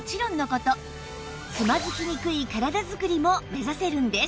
つまずきにくい体作りも目指せるんです